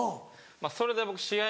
それで僕試合